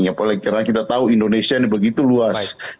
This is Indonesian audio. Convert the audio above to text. apalagi karena kita tahu indonesia ini begitu luas